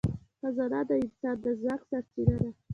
خزانه د انسان د ځواک سرچینه ده.